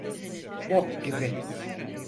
Bok gibi.